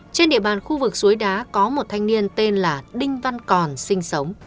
trên địa bàn khu vực suối đá có một thanh niên tên là đinh văn còn sinh sống